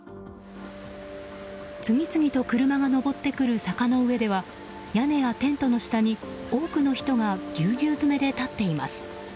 次々と車が上ってくる坂の上では屋根やテントの下に多くの人がぎゅうぎゅう詰めで立っています